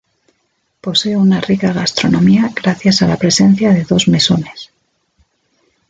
Posee una rica gastronomía gracias a la presencia de dos mesones.